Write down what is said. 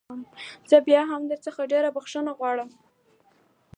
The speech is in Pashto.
زه بيا هم درڅخه ډېره بخښنه غواړم.